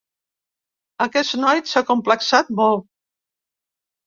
Aquest noi s'ha acomplexat molt.